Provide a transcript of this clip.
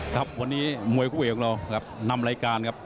ครับวันนี้มวยคู่เอกของเราครับนำรายการครับ